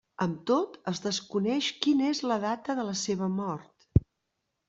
Amb tot, es desconeix quina és la data de la seva mort.